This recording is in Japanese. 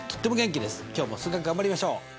今日も数学頑張りましょう！